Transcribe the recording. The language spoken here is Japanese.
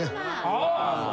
ああ！